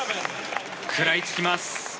食らいつきます。